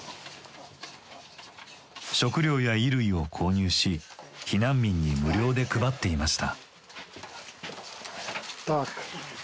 食料や衣類を購入し避難民に無料で配っていました。